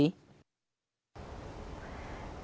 tại an giang